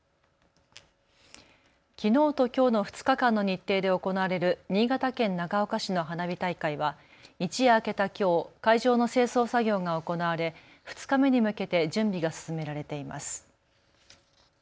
きのうときょうの２日間の日程で行われる新潟県長岡市の花火大会は一夜明けたきょう会場の清掃作業が行われ２日目に向けて準備が進められています。